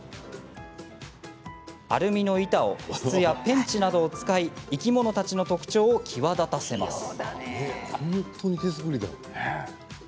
アルミの板を筒やペンチなどを使い生き物たちの特徴を際立たせます。